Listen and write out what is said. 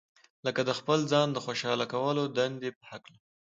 لکه د خپل ځان د خوشاله کولو د دندې په هکله.